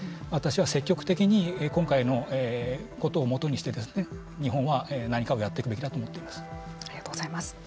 私は積極的に今回のことをもとにして日本も何かをやっていくべきだとありがとうございます。